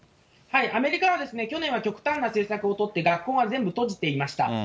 アメリカは、去年は極端な政策を取って学校は全部閉じていました。